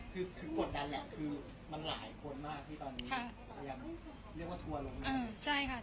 คือกดดันแหละคือมันหลายคนมากที่ตอนนี้พยายามเรียกว่าทัวร์ลง